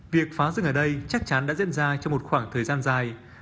việc phá rừng ở đây chắc chắn đã diễn ra trong một khoảng thời gian dài